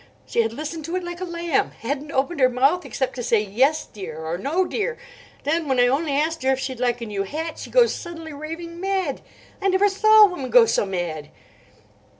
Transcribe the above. She had listened to it like a lamb—hadn't opened her mouth except to say 'yes, dear,' or 'no, dear.' Then, when I only asked her if she'd like a new hat, she goes suddenly raving mad. I never saw a woman go so mad."